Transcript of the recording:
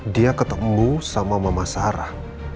dia ketemu sama mama sarah